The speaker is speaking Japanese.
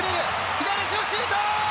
左足のシュート。